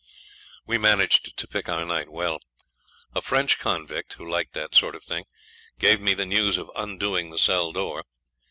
We managed to pick our night well. A French convict, who liked that sort of thing, gave me the means of undoing the cell door.